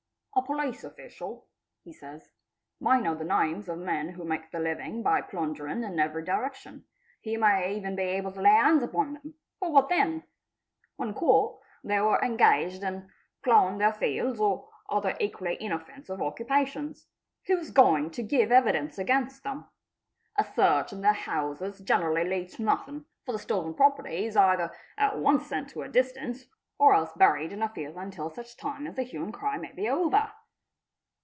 "A police official', he says, 'may 758 THEFT know the names of men who make their living by plundering in every direction. He may even be able to lay hands upon them; but what then? When caught, they were engaged in ploughing their fields, or other equally inoffensive occupations. Who is going to give evidence against them ? A search in their houses generally leads to nothing, for the stolen property is either at once sent to a distance, or else buried in a field until such time as the hue and cry may be over.